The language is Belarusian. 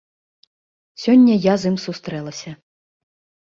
Сёння я з ім сустрэлася.